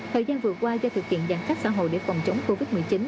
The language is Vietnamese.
thời gian vừa qua do thực hiện giàn khách xã hội để phòng chống covid một mươi chín